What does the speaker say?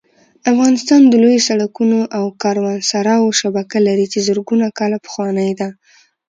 افغانستان د لویو سړکونو او کاروانسراوو شبکه لري چې زرګونه کاله پخوانۍ ده